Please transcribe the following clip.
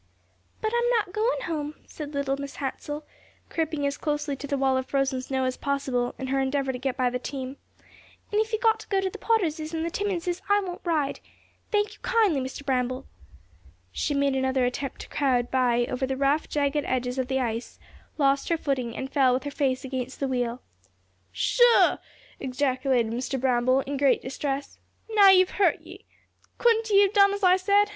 "But I'm not going home," said little Mrs. Hansell, creeping as closely to the wall of frozen snow as possible, in her endeavor to get by the team. "And if you've got to go to the Potterses and the Timmenses, I won't ride. Thank you kindly, Mr. Bramble." She made another attempt to crowd by over the rough, jagged edges of the ice, lost her footing, and fell with her face against the wheel. "Sho!" ejaculated Mr. Bramble, in great distress, "now ye've hurt ye! Couldn't ye have done as I said?